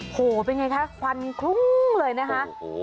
โหเป็นไงคะควันคลุ้งเลยนะคะ